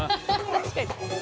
確かに。